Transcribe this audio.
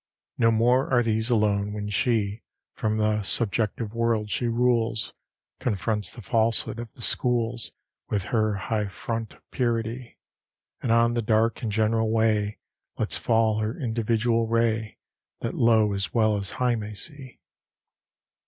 No more are these alone when she, From the subjective world she rules, Confronts the falsehood of the schools With her high front of purity: And on the dark and general way Lets fall her individual ray That low as well as high may see.